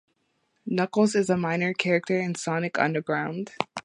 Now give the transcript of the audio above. Knuckles is a minor character in "Sonic Underground".